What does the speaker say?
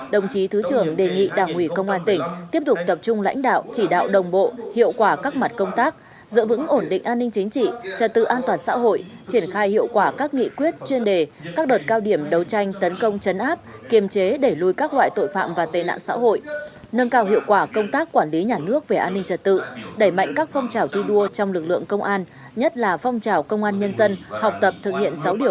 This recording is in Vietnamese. đồng chí thứ trưởng đề nghị đảng ủy công an tỉnh tiếp tục tập trung lãnh đạo chỉ đạo đồng bộ hiệu quả các mặt công tác giữ vững ổn định an ninh chính trị trật tự an toàn xã hội triển khai hiệu quả các nghị quyết chuyên đề các đợt cao điểm đấu tranh tấn công chấn áp kiềm chế để lùi các loại tội phạm và tên ạng xã hội nâng cao hiệu quả công tác quản lý nhà nước về an ninh trật tự đẩy mạnh các phong trào thi đua trong lực lượng công an nhất là phong trào công an nhân dân học tập thực hiện sáu điều